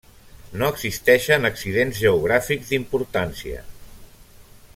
No existeixen accidents geogràfics d'importància.